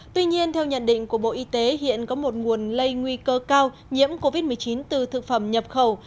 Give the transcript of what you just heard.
tuy nhiên theo nhận định của bộ y tế hiện có một nguồn lây nguy cơ cao nhiễm covid một mươi chín từ thực phẩm nhập khẩu